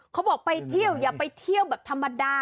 เขาบอกไปเที่ยวอย่าไปเที่ยวแบบธรรมดา